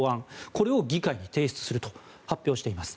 これを議会に提出すると発表しています。